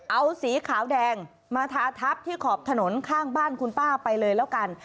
เอาสีขาวแดงมาทาทับที่ขอบถนนข้างบ้านคุณป้าไปเลยแล้วกัน